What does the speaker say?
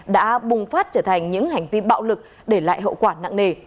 đã bùng phát trở thành những hành vi bạo lực để lại hậu quả nặng nề